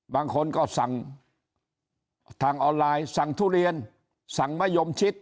บางคนก็สั่งทางออนไลน์สั่งทุเรียนสั่งมะยมชิด